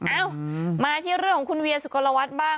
เอ้ามาที่เรื่องของคุณเวียสุโกลวัฒน์บ้าง